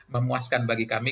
memuaskan bagi kami